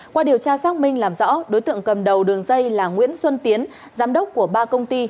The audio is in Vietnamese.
qua điều tra xác minh làm rõ đối tượng cầm đầu đường dây là nguyễn xuân tiến giám đốc của ba công ty